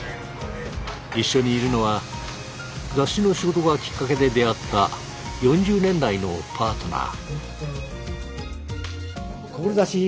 一緒にいるのは雑誌の仕事がきっかけで出会った４０年来のパートナー。